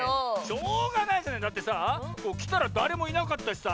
しょうがないじゃないだってさきたらだれもいなかったしさ